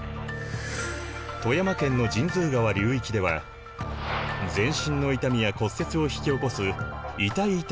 富山県の神通川流域では全身の痛みや骨折を引き起こすイタイイタイ病が発生。